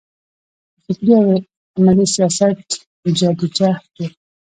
د فکري او عملي سیاست جدوجهد و.